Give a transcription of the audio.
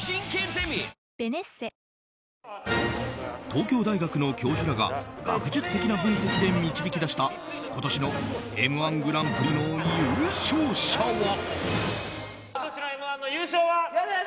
東京大学の教授らが学術的な分析で導き出した今年の「Ｍ‐１グランプリ」の優勝者は。